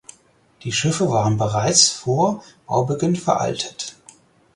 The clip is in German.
Die Schiffe waren bereits vor Baubeginn veraltet.